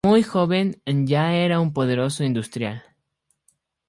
Muy joven ya era un poderoso industrial.